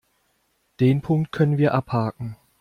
Den Punkt können wir abhaken.